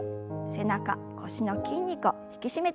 背中腰の筋肉を引き締めていきましょう。